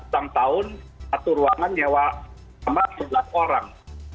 setahun satu ruangan nyewa sama dua belas orang